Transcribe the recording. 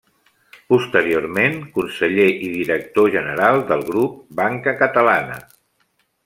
Posteriorment Conseller i Director General del Grup Banca Catalana.